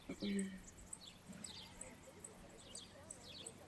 Na kandidátce byl pouze jeden člověk.